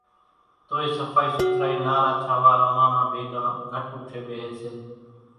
توئيَ صڦائِي سُٿرائِي نا راڇا واران ماڻۿان ڀيڳان گھٽ اُوٺيَ ٻيۿيَ سي۔